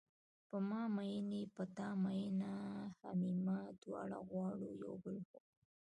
په ما میین یې په تا مینه همیمه دواړه غواړو یو بل خو